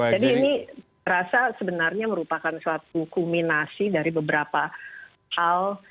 jadi ini terasa sebenarnya merupakan suatu kumulasi dari beberapa hal